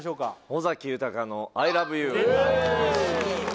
尾崎豊さんの「ＩＬＯＶＥＹＯＵ」